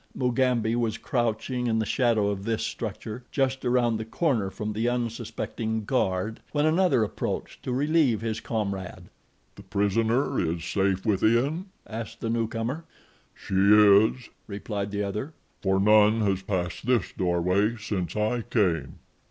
Mugambi was crouching in the shadow of this structure, just around the corner from the unsuspecting guard, when another approached to relieve his comrade. "The prisoner is safe within?" asked the newcomer. "She is," replied the other, "for none has passed this doorway since I came."